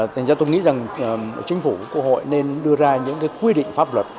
thành ra tôi nghĩ rằng chính phủ quốc hội nên đưa ra những quy định pháp luật